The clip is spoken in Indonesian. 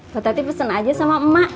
pak tati pesen aja sama emak